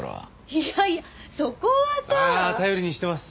いやいやそこはさ。ああ頼りにしてます。